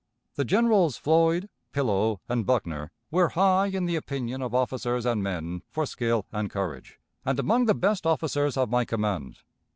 The generals, Floyd, Pillow, and Buckner, were high in the opinion of officers and men for skill and courage, and among the best officers of my command.